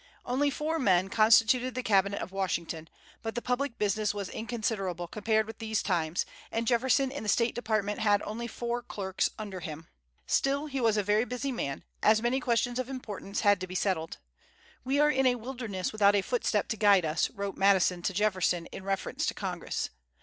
Only four men constituted the Cabinet of Washington; but the public business was inconsiderable compared with these times, and Jefferson in the State Department had only four clerks under him. Still, he was a very busy man, as many questions of importance had to be settled. "We are in a wilderness without a footstep to guide us," wrote Madison to Jefferson in reference to Congress.